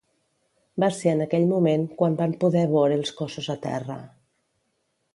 Va ser en aquell moment quan van poder vore els cossos a terra.